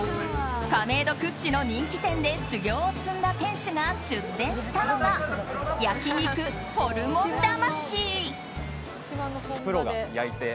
亀戸屈指の人気店で修業を積んだ店主が出店したのが焼肉ホルモン魂。